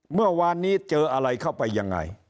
เมื่อวานนี้เจออะไรเข้าไปยังไง